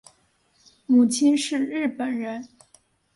母亲是日本人。